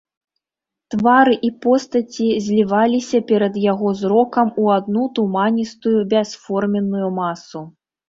Твары і постаці зліваліся перад яго зрокам у адну туманістую бясформенную масу.